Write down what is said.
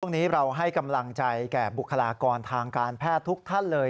นี้เราให้กำลังใจแก่บุคลากรทางการแพทย์ทุกท่านเลย